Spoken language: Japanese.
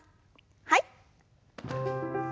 はい。